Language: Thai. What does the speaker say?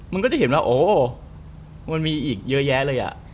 มันก็จะเห็นว่าโอ้มันมีอีกเยอะแยะเลยอ่ะ